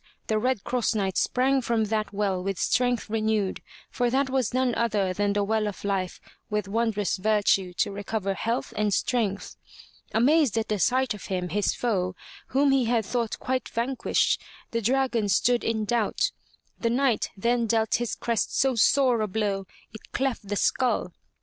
the Red Cross Knight sprang from that well with strength renewed, for that was none other than the well of life with wondrous virtue to recover health and strength. Amazed at sight of him, his foe, whom he had thought quite vanquished, the dragon stood in doubt. The Knight then dealt his crest so sore a blow it cleft the skull.